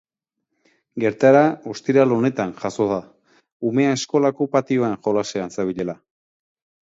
Gertaera ostiral honetan jazo da, umea eskolako patioan jolasean zebilela.